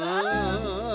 うん。